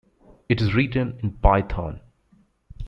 It is written in Python.